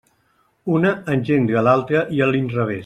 Una engendra l'altra, i a l'inrevés.